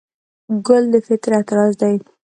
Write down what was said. ګل د فطرت راز دی.